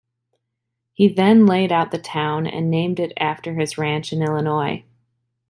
He then laid out the town and named it after his ranch in Illinois.